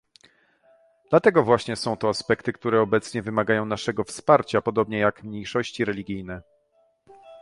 Dlatego właśnie są to aspekty, które obecnie wymagają naszego wsparcia, podobnie jak mniejszości religijne